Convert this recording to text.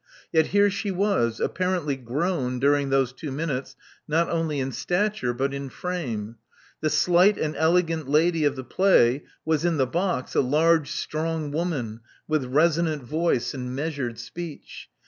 Yet here she was, apparently grown during those two minutes not only in stature but in frame. The slight and elegant lady of the play was in the box a large, strong woman, with resonant voice and measured speech.